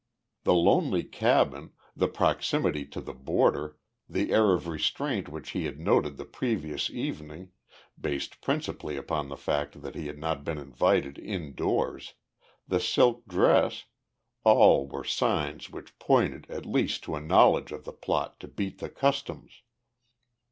The lonely cabin, the proximity to the border, the air of restraint which he had noted the previous evening (based principally upon the fact that he had not been invited indoors), the silk dress all were signs which pointed at least to a knowledge of the plot to beat the customs.